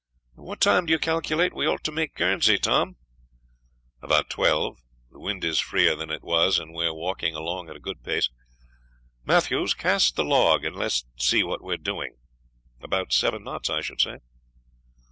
"What time do you calculate we ought to make Guernsey, Tom?" "About twelve. The wind is freer than it was, and we are walking along at a good pace. Matthews, cast the log, and let's see what we are doing. About seven knots, I should say."